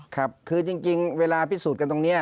ครับคือจริงเวลาพิสูจน์กันตรงนี้